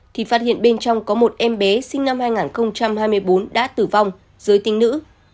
thì phát hiện bên trong có một em bé sinh năm hai nghìn hai mươi bốn đã tử vong dưới tinh nữ